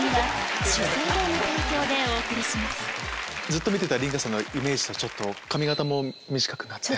ずっと見てた梨花さんのイメージとちょっと髪形も短くなって。